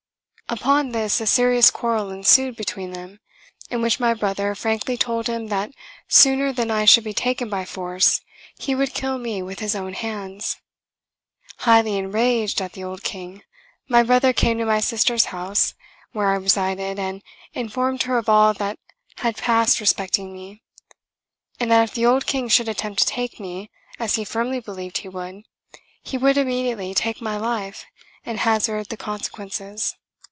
Upon this a serious quarrel ensued between them, in which my brother frankly told him that sooner than I should be taken by force, he would kill me with his own hands! Highly enraged at the old king; my brother came to my sister's house, where I resided, and informed her of all that had passed respecting me; and that, if the old king should attempt to take me, as he firmly believed he would, he would immediately take my life, and hazard the consequences.